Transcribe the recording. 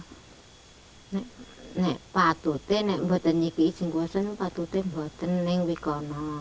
ini harusnya kalau tidak ada izin kuasa harusnya tidak ada yang bisa